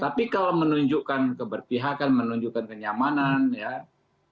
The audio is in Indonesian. tapi kalau menunjukkan keberpihakan menunjukkan kenyamanan ya itu tidak ada masalah